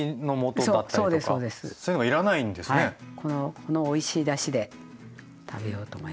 このおいしいだしで食べようと思います。